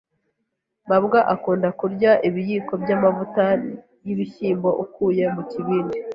mabwa akunda kurya ibiyiko by'amavuta y'ibishyimbo akuye mu kibindi.